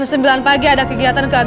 sampai jumpa di video selanjutnya